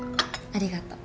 ありがとう！